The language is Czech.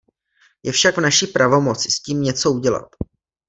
Je však v naší pravomoci s tím něco udělat.